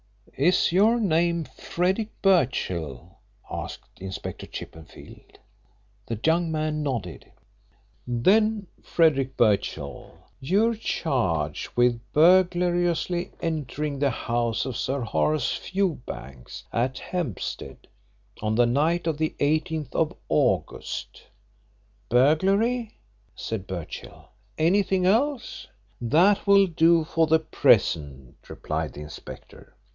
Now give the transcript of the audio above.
"Is your name Frederick Birchill?" asked Inspector Chippenfield. The young man nodded. "Then, Frederick Birchill, you're charged with burglariously entering the house of Sir Horace Fewbanks, at Hampstead, on the night of the 18th of August." "Burglary?" said Birchill "Anything else?" "That will do for the present," replied the inspector.